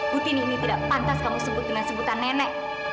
but ini tidak pantas kamu sebut dengan sebutan nenek